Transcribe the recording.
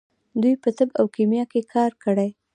دوی په طب او کیمیا کې کار کړی.